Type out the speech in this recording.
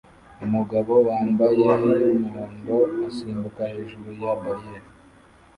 Umugabo wambayeyumuhondo asimbuka hejuru ya barriel